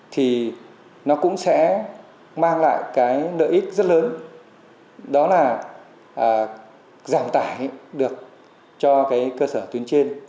thì nó cũng sẽ mang lại cái nợ ích rất lớn đó là giảm tải được cho cái cơ sở tuyến trên